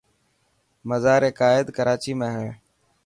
مزار قائد ڪراچي ۾ هي.